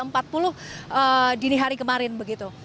pukul sepuluh sepuluh empat puluh dini hari kemarin begitu